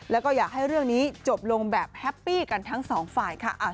แล้วก็อยากให้เรื่องนี้จบลงแบบแฮปปี้กันทั้งสองฝ่ายค่ะ